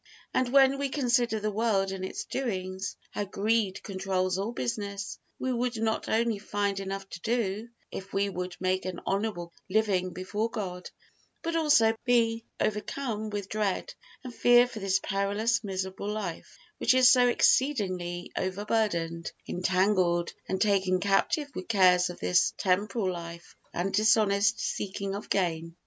And when we consider the world in its doings, how greed controls all business, we would not only find enough to do, if we would make an honorable living before God, but also be overcome with dread and fear for this perilous, miserable life, which is so exceedingly overburdened, entangled and taken captive with cares of this temporal life and dishonest seeking of gain.